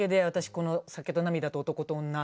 この「酒と泪と男と女」。